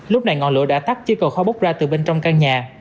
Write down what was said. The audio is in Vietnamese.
lúc này ngọn lửa đã tắt chứ còn khó bốc ra từ bên trong căn nhà